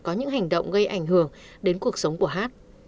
có những hành động gây ảnh hưởng đến cuộc sống của hát